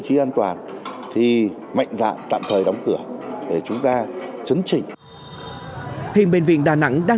chí an toàn thì mạnh dạng tạm thời đóng cửa để chúng ta chấn chỉnh hiện bệnh viện đà nẵng đang